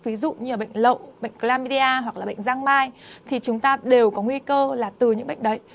ví dụ như bệnh lậu bệnh clamia hoặc là bệnh giang mai thì chúng ta đều có nguy cơ là từ những bệnh đấy